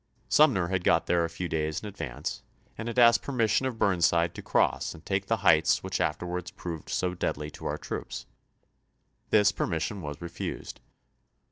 Sumner had got there a few days in advance, and had asked permission of Burnside to cross and take the heights which afterwards proved so deadly to onr troops. This permission was refused.